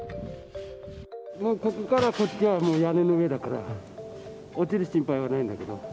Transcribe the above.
ここから先は屋根の上だから落ちる心配はないんだけど。